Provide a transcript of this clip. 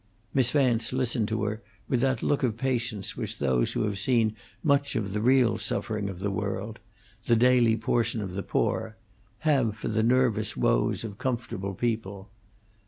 Miss Vance listened to her with that look of patience which those who have seen much of the real suffering of the world the daily portion of the poor have for the nervous woes of comfortable people.